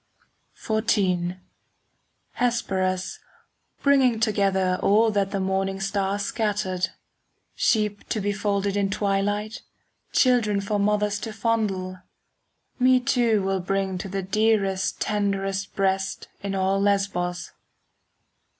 XIV Hesperus, bringing together All that the morning star scattered,— Sheep to be folded in twilight, Children for mothers to fondle,— Me too will bring to the dearest, 5 Tenderest breast in all Lesbos.